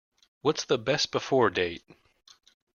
What’s the Best Before date?